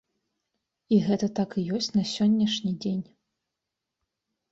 І гэта так і ёсць на сённяшні дзень.